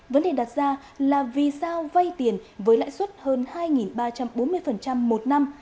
vấn đề đặt ra là vì sao vay tiền với lãi suất hơn hai ba trăm bốn mươi một năm